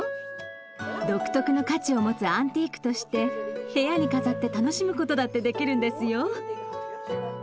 独特の価値を持つアンティークとして部屋に飾って楽しむ事だってできるんですよ。